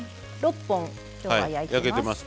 ６本今日は焼いてます。